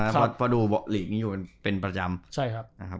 เพราะดูหลีกนี้อยู่เป็นประจำ